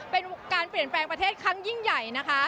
เป็นการเปลี่ยนแปลงประเทศครั้งยิ่งใหญ่นะคะ